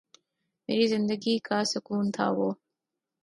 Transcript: میری زندگی کا سکون تھا وہ